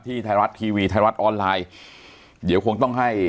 ไทยรัฐทีวีไทยรัฐออนไลน์เดี๋ยวคงต้องให้